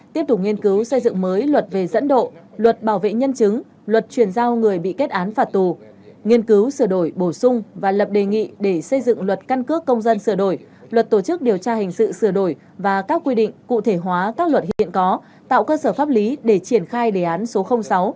tiếp tục nghiên cứu xây dựng mới luật về dẫn độ luật bảo vệ nhân chứng luật chuyển giao người bị kết án phạt tù nghiên cứu sửa đổi bổ sung và lập đề nghị để xây dựng luật căn cước công dân sửa đổi luật tổ chức điều tra hình sự sửa đổi và các quy định cụ thể hóa các luật hiện có tạo cơ sở pháp lý để triển khai đề án số sáu